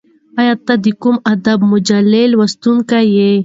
ایا ته د کوم ادبي مجلې لوستونکی یې؟